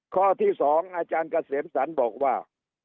ข้อที่สองอาจารย์เกษียรสันบอกว่า